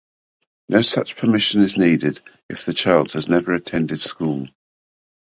No such permission is needed if the child has never attended school.